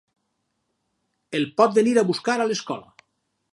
El pot venir a buscar a l'escola.